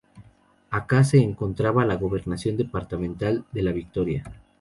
Acá se encontraba la Gobernación Departamental de La Victoria.